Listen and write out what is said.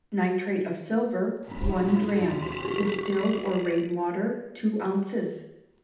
Nitrate of silver, one drachm; distilled or rain water, two ounces.